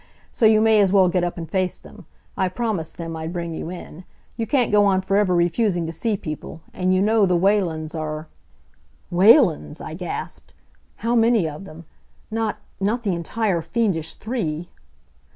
So you may as well get up and face them. I promised them I'd bring you in. You can't go on forever refusing to see people, and you know the Whalens are " "Whalens!" I gasped. "How many of them? Not not the entire fiendish three?"